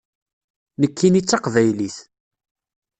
Nekkini d taqbaylit.